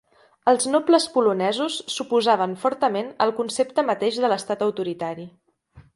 Els nobles polonesos s'oposaven fortament al concepte mateix de l'estat autoritari.